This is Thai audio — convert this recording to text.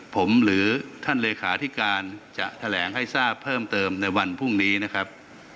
ผมหรือท่านเลขาธิการจะแถลงให้ทราบเพิ่มเติมในวันพรุ่งนี้นะครับ